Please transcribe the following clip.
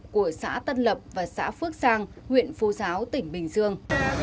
của xã tân lập và xã phước sang huyện phu giáo tỉnh bình dương